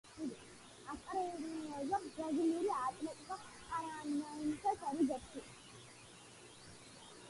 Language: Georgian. ასპარეზობს ბრაზილიური „ატლეტიკო პარანაენსეს“ რიგებში.